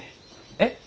えっ！？